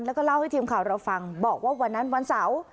แล้วก็เล่าให้ทีมข่าวเราฟังบอกว่าวันนั้นวันเสาร์